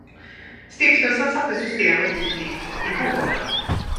Stiftelsen satte systemet i drift igår.